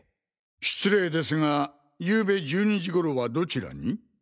失礼ですがゆうべ１２時頃はどちらに？